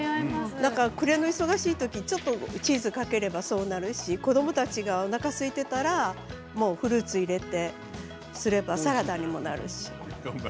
暮れの忙しい時にちょっとチーズをかければそうなるし子どもたちがおなかがすいていたらフルーツを入れてそうすればサラダにもなるし。